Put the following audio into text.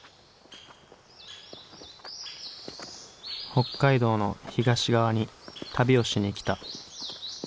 北海道の東側に旅をしに来た。